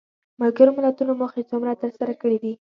ملګرو ملتونو موخې څومره تر سره کړې دي؟